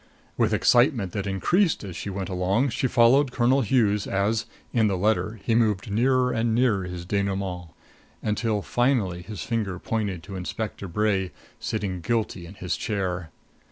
With excitement that increased as she went along, she followed Colonel Hughes as in the letter he moved nearer and nearer his denouement, until finally his finger pointed to Inspector Bray sitting guilty in his chair.